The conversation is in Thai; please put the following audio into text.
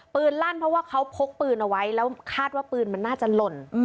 ลั่นเพราะว่าเขาพกปืนเอาไว้แล้วคาดว่าปืนมันน่าจะหล่น